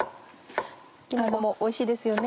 キノコもおいしいですよね。